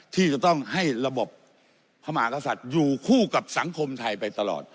ที่จะต้องให้ระบบพระมหากษัตริย์อยู่คู่กับสังคมไทยไปตลอด